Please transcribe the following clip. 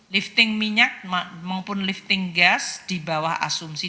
lifting minyak maupun lifting gas di bawah asumsi